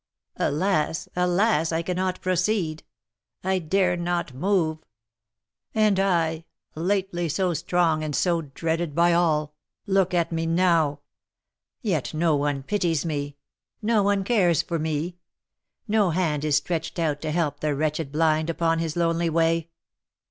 "Alas! alas! I cannot proceed, I dare not move! And I, lately so strong and so dreaded by all, look at me now! Yet no one pities me, no one cares for me, no hand is stretched out to help the wretched blind upon his lonely way!"